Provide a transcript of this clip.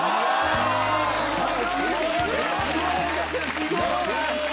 すごい！